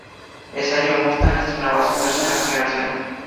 Ese año, el Mustang estrenaba su tercera generación.